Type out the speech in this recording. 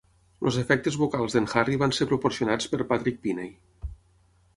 Els efectes vocals d'en Harry van ser proporcionats per Patrick Pinney.